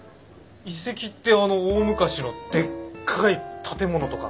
遺跡ってあの大昔のでっかい建物とかの？